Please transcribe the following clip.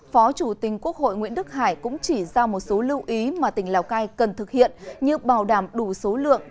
phó chủ tình quốc hội nguyễn đức hải cũng chỉ ra một số lưu ý mà tỉnh lào cai cần thực hiện như bảo đảm đủ số lượng